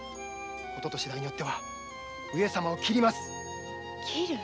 事と次第によっては上様を切ります切る？